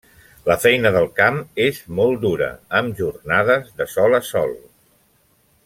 La feina del camp és molt dura, amb jornades de sol a sol.